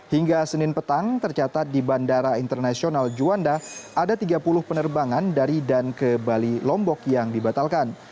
hingga senin petang tercatat di bandara internasional juanda ada tiga puluh penerbangan dari dan ke bali lombok yang dibatalkan